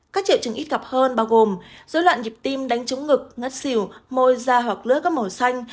các triệu chứng ít gặp hơn bao gồm dối loạn nhịp tim đánh trúng ngực ngất xỉu môi da hoặc lướt các màu xanh